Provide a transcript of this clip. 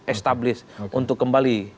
establis untuk kembali